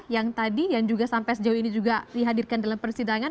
yang tadi yang juga sampai sejauh ini juga dihadirkan dalam persidangan